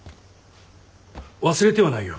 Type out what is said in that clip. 忘れてはないよ。